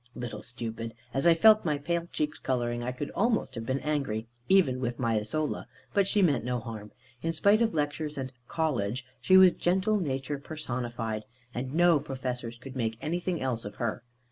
Little stupid! As I felt my pale cheeks colouring, I could almost have been angry, even with my Isola. But she meant no harm. In spite of lectures and "college," she was gentle nature personified; and no Professors could make anything else of her.